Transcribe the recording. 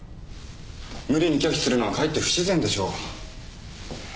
無理に拒否するのはかえって不自然でしょう。